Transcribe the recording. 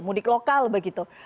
mudik lokal begitu